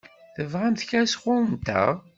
Tebɣamt kra sɣur-nteɣ?